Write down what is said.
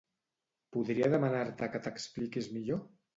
Podria demanar-te que t'expliquis millor?